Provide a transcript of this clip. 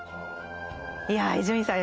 いや伊集院さん